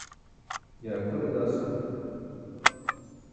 ye akʰole dasko?